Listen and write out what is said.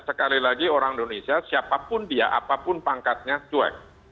sekali lagi orang indonesia siapapun dia apapun pangkatnya cuek